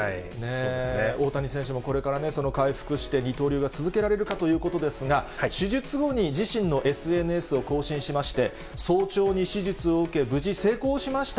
大谷選手もその回復して、二刀流が続けられるかということですが、手術後に自身のＳＮＳを更新しまして、早朝に手術を受け、無事成功しました。